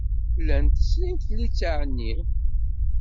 Llant srint litteɛ-nni.